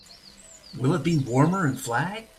Will it be warmer in Flag?